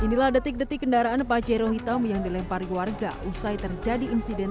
inilah detik detik kendaraan pajero hitam yang dilempari warga usai terjadi insiden